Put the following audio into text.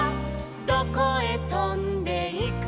「どこへとんでいくのか」